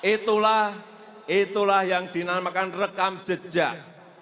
itulah itulah yang dinamakan rekam jejak